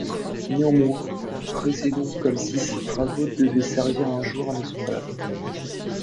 Néanmoins, procédons comme si ces travaux devaient servir un jour à nos semblables.